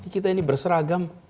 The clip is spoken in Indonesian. kita ini berseragam